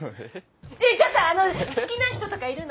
えじゃあさあの好きな人とかいるの？